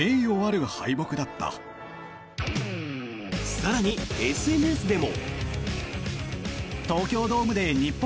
更に、ＳＮＳでも。